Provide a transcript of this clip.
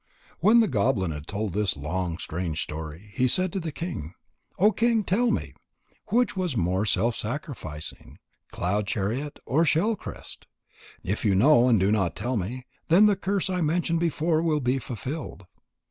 When the goblin had told this long, strange story, he said to the king: "O King, tell me. Which was the more self sacrificing, Cloud chariot or Shell crest? If you know and do not tell, then the curse I mentioned before will be fulfilled."